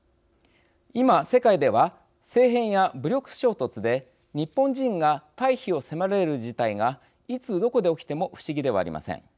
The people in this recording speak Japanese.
今、世界では政変や武力衝突で日本人が退避を迫られる事態がいつ、どこで起きても不思議ではありません。